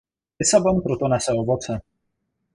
Lisabon proto nese ovoce.